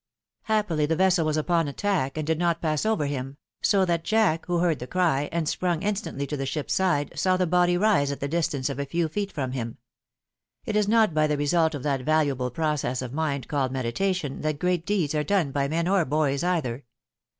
Happily the vessel was upon a tack, and did not pass over bim ; so that Jack, who heard the cry, and sprung instantly to the ship's side, saw the body rise at the distance of a few feet from him. It is not by the result of that valuable process of mind called meditation, that great deeds are done by men or boys either.